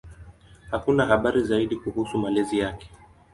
Hakuna habari zaidi kuhusu malezi yake.